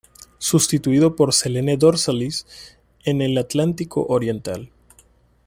Sustituido por "Selene dorsalis" en el Atlántico oriental.